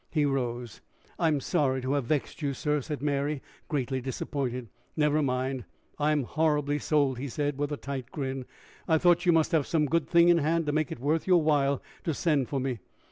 He rose. "I'm sorry to have vexed you, sir," said Mary, greatly disappointed. "Never mind. I'm horribly sold," he said, with a tight grin. "I thought you must have some good thing in hand to make it worth your while to send for me."